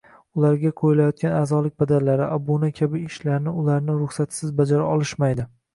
ularga qo‘yilayotgan a’zolik badallari, obuna kabi ishlarni ularni ruxsatisiz bajara olishmaydi